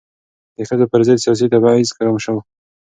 د ښځو پر ضد سیاسي تبعیض کم شو.